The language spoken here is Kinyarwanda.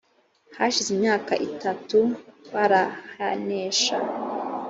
hashize imyaka itatu barahanesha